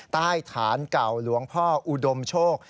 ใต้ฐานเก่าหลวงพ่ออุดมโชค